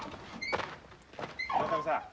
村上さん。